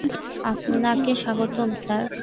আপনাকে স্বাগতম, স্যার!